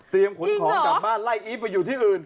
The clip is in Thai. ขนของกลับบ้านไล่อีฟไปอยู่ที่อื่น